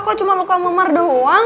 kok cuma lo komen mar doang